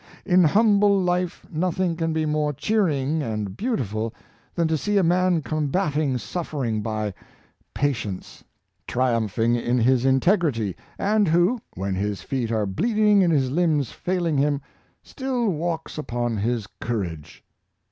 In humble life nothing can be more cheering and beautiful than to see a man combating suffering by patience, triumphing in his integrity, and who, when his feet are bleeding and his limbs failing him, still walks upon his courage.